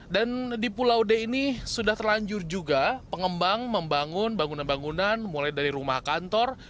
dan di pulau d ini sudah terlanjur juga pengembang membangun bangunan bangunan mulai dari rumah kantor